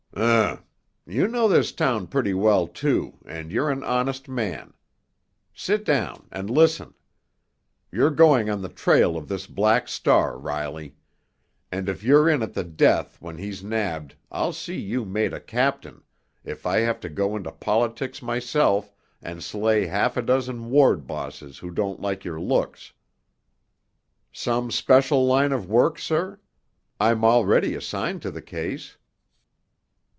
"Um! You know this town pretty well, too, and you're an honest man. Sit down—and listen. You're going on the trail of this Black Star, Riley. And if you're in at the death when he's nabbed I'll see you made a captain, if I have to go into politics myself and slay half a dozen ward bosses who don't like your looks." "Some special line of work, sir? I'm already assigned to the case."